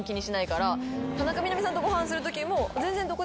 田中みな実さんとご飯するときも。